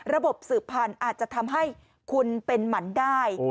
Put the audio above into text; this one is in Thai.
ระบบสืบพันธุ์อาจจะทำให้คุณเป็นหมันได้